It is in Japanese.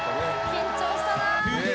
緊張したな。